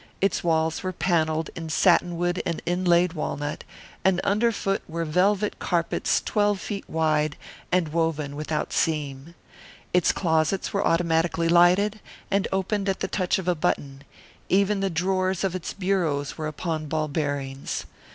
Its walls were panelled in satinwood and inlaid walnut, and under foot were velvet carpets twelve feet wide and woven without seam. Its closets were automatically lighted, and opened at the touch of a button; even the drawers of its bureaus were upon ball bearings.